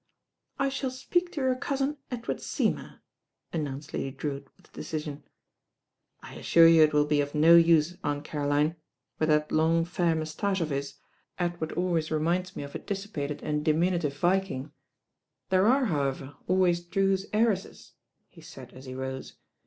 "I shall speak to your cousin Edward Seymour," announced Lady Drewitt with decision. "I assure you it will be of no use, Aunt Caroline. With that long fair moustache of his, Edward al ways reminds me of a dissipated and diminutive LADY DREWITT SPEAKS HER MIND 107 Viking. There «re, however, always Drew's heir esses," he said as he rose.